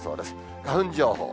花粉情報。